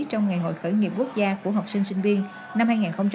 trong ngày hội khởi nghiệp quốc gia của học sinh sinh viên năm hai nghìn hai mươi